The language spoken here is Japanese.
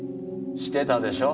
してたでしょ？